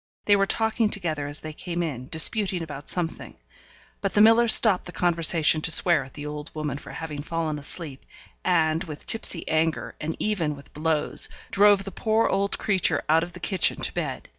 They were talking together as they came in, disputing about something; but the miller stopped the conversation to swear at the old woman for having fallen asleep, and, with tipsy anger, and even with blows, drove the poor old creature out of the kitchen to bed.